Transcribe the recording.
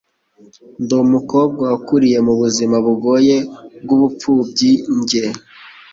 ndi umukobwa wakuriye mubuzima bugoye bw'ubupfubyi njye